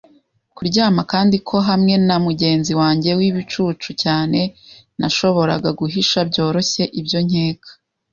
kuryama kandi ko hamwe na mugenzi wanjye wibicucu cyane nashoboraga guhisha byoroshye ibyo nkeka